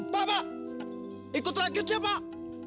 pak pak ikut rakyatnya pak